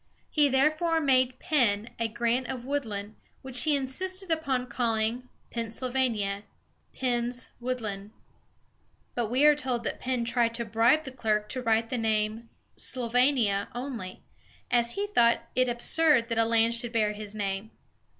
He therefore made Penn a grant of woodland, which he insisted upon calling Penn syl va´ni a ("Penn's Woodland"). But we are told that Penn tried to bribe the clerk to write the name "Sylvania" only, as he thought it absurd that the land should bear his name.